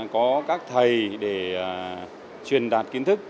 có các thầy để truyền đạt kiến thức